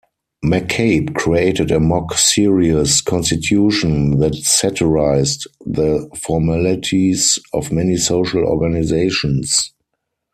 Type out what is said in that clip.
McCabe created a mock-serious "constitution" that satirized the formalities of many social organizations.